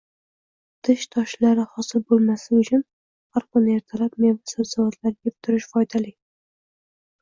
Tish toshlari hosil bo‘lmasligi uchun har kuni ertalab meva-sabzavotlar yeb turish foydali.